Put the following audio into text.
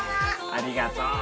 ありがとう。